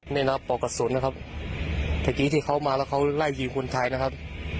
นี่นะปอกกระสุนนะครับเมื่อกี้ที่เขามาแล้วเขาไล่ยิงคนไทยนะครับ